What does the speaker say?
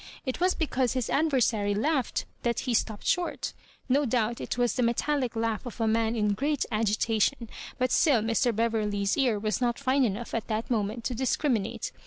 It was because his adversary laughed that he stopped short No doubt it was the metallic laugh of a man in great agitation, but still Mr. Beverley's ear was not fine enough at that moment to discriminate.